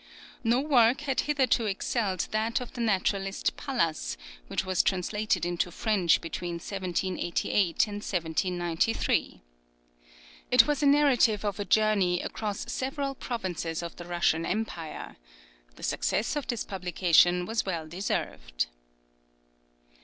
No work had hitherto excelled that of the naturalist Pallas, which was translated into French between 1788 1793. It was a narrative of a journey across several provinces of the Russian empire. The success of this publication was well deserved.